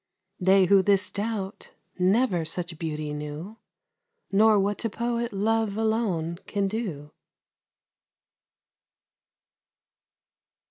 They who this doubt never such beauty knew, Nor what to poet love alone can do.